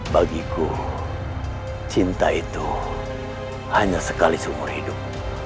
bagi aku cinta itu hanya sekali seumur hidup